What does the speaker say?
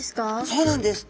そうなんです。